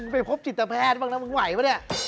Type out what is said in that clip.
ไปพบจิตแพทย์บ้างนะมึงไหวป่ะเนี่ย